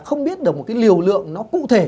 không biết được một cái liều lượng nó cụ thể